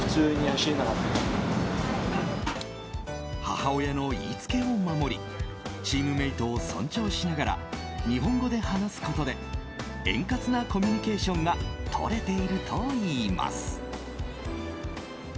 母親の言いつけを守りチームメートを尊重しながら日本語で話すことで円滑なコミュニケーションがとれているといいます。